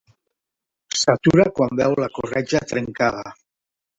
S'atura quan veu la corretja trencada.